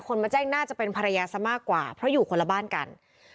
มาแจ้งน่าจะเป็นภรรยาซะมากกว่าเพราะอยู่คนละบ้านกัน